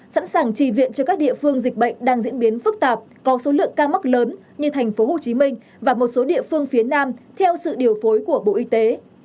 sẵn sàng trì viện cho các địa phương dịch bệnh đang diễn biến phức tạp có số lượng ca mắc lớn như thành phố hồ chí minh và một số địa phương phía nam theo sự điều phối của bộ y tế